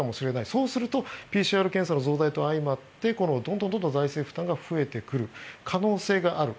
そうするとＰＣＲ検査の増大と相まってどんどん財政負担が増えてくる可能性がある。